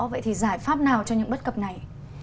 vậy thì giải pháp nào cho những bất cập này